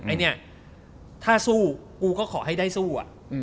ไอ้เนี่ยถ้าสู้กูก็ขอให้ได้สู้อะ